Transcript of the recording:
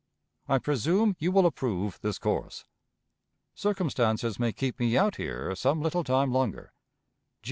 I presume you will approve this course. Circumstances may keep me out here some little time longer.